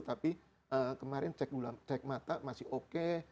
tapi kemarin cek mata masih oke